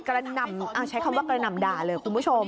ใช้คำว่ากระหน่ำด่าเลยคุณผู้ชม